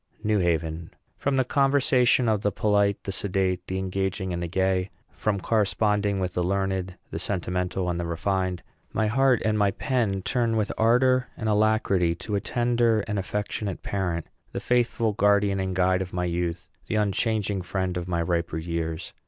NEW HAVEN. From the conversation of the polite, the sedate, the engaging, and the gay, from corresponding with the learned, the sentimental, and the refined, my heart and my pen turn with ardor and alacrity to a tender and affectionate parent, the faithful guardian and guide of my youth, the unchanging friend of my riper years.